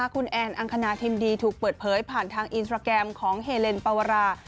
คุณแอนอังคณาทิมดีถูกเปิดเผยผ่านทางอินสตราแกรมของเฮเลนปวรา